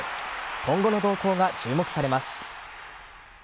今後の動向が注目されます。